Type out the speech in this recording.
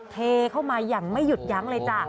เทเข้ามาอย่างไม่หยุดยั้งเลยจ้ะ